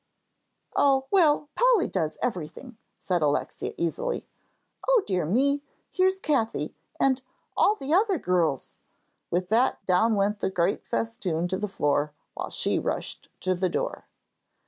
"Oh, well, Polly does everything," said Alexia, easily. "O dear me! Here's Cathie and all the other girls!" With that down went the green festoon to the floor, while she rushed to the door.